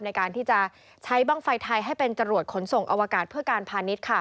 ในการที่จะใช้บ้างไฟไทยให้เป็นจรวดขนส่งอวกาศเพื่อการพาณิชย์